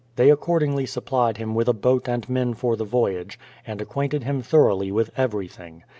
They accordingly sup plied him with a boat and men for the voyage, and ac quainted him thoroughly with everything.